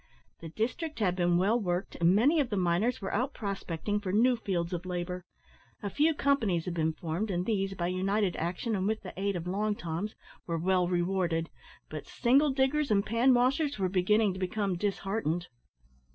The district had been well worked, and many of the miners were out prospecting for new fields of labour. A few companies had been formed, and these, by united action and with the aid of long toms, were well rewarded, but single diggers and pan washers were beginning to become disheartened.